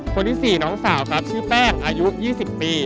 คนที่๔น้องสาวครับชื่อแป้งอายุ๒๐ปี